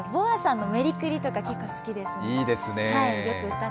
ＢｏＡさんの「メリクリ」とか結構好きですね。